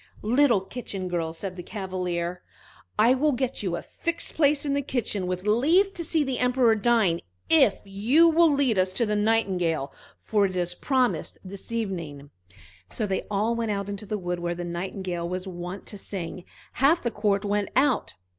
"Little Kitchen girl," said the Cavalier, "I will get you a fixed place in the kitchen, with leave to see the Emperor dine, if you will lead us to the Nightingale, for it is promised for this evening." So they all went out into the wood where the Nightingale was wont to sing; half the court went out.